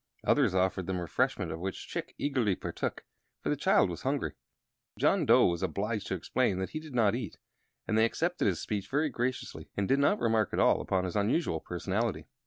Others offered them refreshment, of which Chick eagerly partook, for the child was hungry. John Dough was obliged to explain that he did not eat, and they accepted his speech very graciously and did not remark at all upon his unusual personality.